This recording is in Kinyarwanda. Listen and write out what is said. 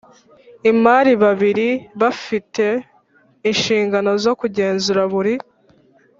imari babiri bafite inshingano zo kugenzura buri